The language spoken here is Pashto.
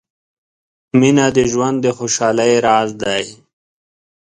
• مینه د ژوند د خوشحالۍ راز دی.